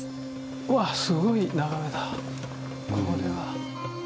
うわすごい眺めだこれは。